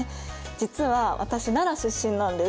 実は私奈良出身なんです。